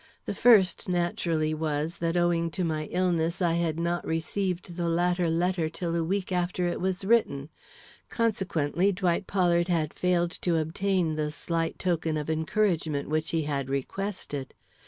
The first naturally was, that owing to my illness I had not received the latter letter till a week after it was written; consequently Dwight Pollard had failed to obtain the slight token of encouragement which he had requested.